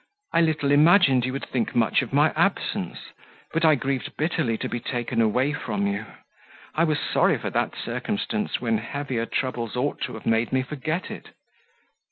I little imagined you would think much of my absence, but I grieved bitterly to be taken away from you. I was sorry for that circumstance when heavier troubles ought to have made me forget it."